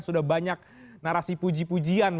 sudah banyak narasi puji pujian